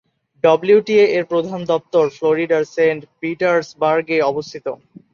ডব্লিউটিএ-এর প্রধান দপ্তর ফ্লোরিডার সেন্ট পিটার্সবার্গে অবস্থিত।